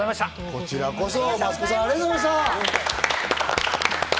こちらこそ。